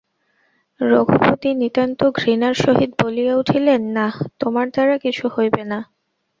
রঘুপতি নিতান্ত ঘৃণার সহিত বলিয়া উঠিলেন, নাঃ, তোমার দ্বারা কিছু হইবে না।